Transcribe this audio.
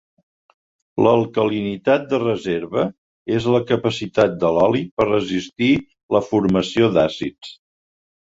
L'alcalinitat de reserva és la capacitat de l'oli per resistir la formació d'àcids.